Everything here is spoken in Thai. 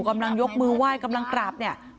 กำลังยกมือไหว้กำลังกราบเนี่ย